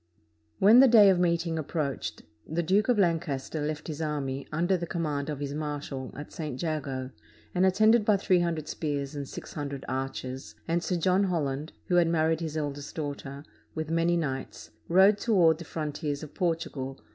When the day of meeting approached, the Duke of Lancaster left his army, under the command of his marshal, at St. Jago, and attended by three hundred spears and six hundred archers, and Sir John Holland (who had married his eldest daughter) with many knights, rode toward the frontiers of Portugal.